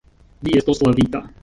Vi estos lavita.